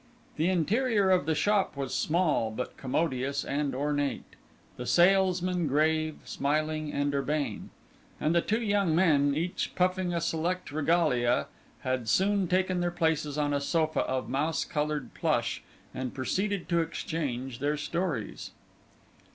The interior of the shop was small, but commodious and ornate; the salesman grave, smiling, and urbane; and the two young men, each puffing a select regalia, had soon taken their places on a sofa of mouse coloured plush and proceeded to exchange their stories.